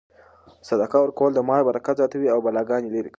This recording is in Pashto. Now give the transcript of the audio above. صدقه ورکول د مال برکت زیاتوي او بلاګانې لیرې کوي.